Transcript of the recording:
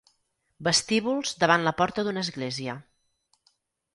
Vestíbuls davant la porta d'una església.